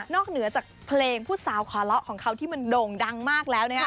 เหนือจากเพลงผู้สาวขอเลาะของเขาที่มันโด่งดังมากแล้ว